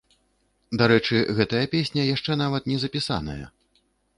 Дарэчы, гэтая песня яшчэ нават не запісаная!